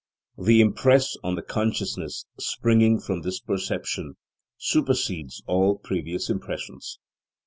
The impress on the consciousness springing from this perception supersedes all previous impressions.